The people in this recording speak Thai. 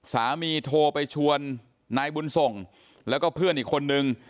โทรไปชวนนายบุญส่งแล้วก็เพื่อนอีกคนนึง